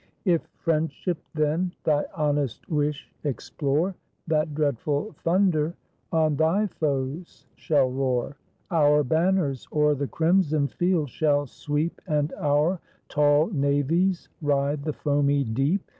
If friendship then thy honest wish explore. That dreadful thunder on thy foes shall roar, Our banners o'er the crimson field shall sweep, And our tall navies ride the foamy deep.